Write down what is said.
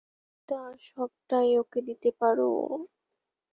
তুমি তার সবটাই ওকে দিতে পার।